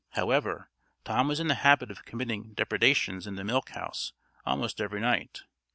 However, Tom was in the habit of committing depredations in the milk house almost every night.